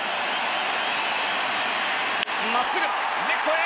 真っすぐレフトへ。